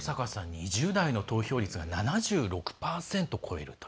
２０代の投票率が７６％を超える。